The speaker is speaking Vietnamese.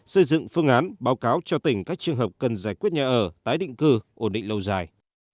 xây dựng phương án báo cáo cho tỉnh các trường hợp cần giải quyết nhà ở tái định cư ổn định lâu dài